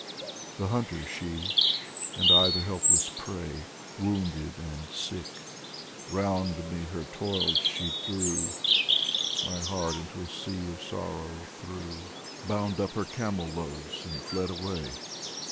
The hunter she, and I the helpless prey ; Wounded and sick, round me her toils she drew, My heart into a sea of sorrow threw, Bound up her camel loads and fled away.